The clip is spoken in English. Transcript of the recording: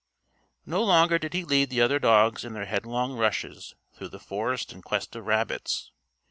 No longer did he lead the other dogs in their headlong rushes through the forest in quest of rabbits.